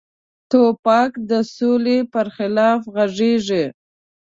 توپک د سولې پر خلاف غږیږي.